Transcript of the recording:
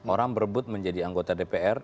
orang berebut menjadi anggota dpr